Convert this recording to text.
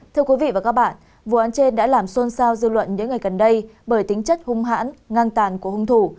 thưa quý vị và các bạn vụ án trên đã làm xôn xao dư luận những ngày gần đây bởi tính chất hung hãn ngăn tàn của hung thủ